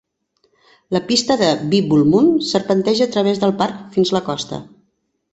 La pista de Bibbulmun serpenteja a través del parc fins la costa.